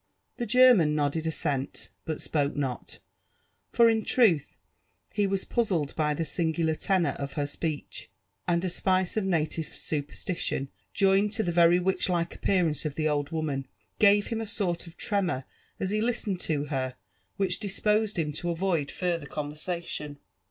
The German nodded assent, but spoke not ; for in truth he was puzzled by the singular tenour of her speech, and a spice of native superstition, joined to the very witchlike appearance of the old wo » man, gave him a sort of tremour as he listened to her which disposed him to avoid farther conversation.